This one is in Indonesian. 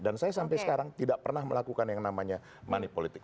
dan saya sampai sekarang tidak pernah melakukan yang namanya money politic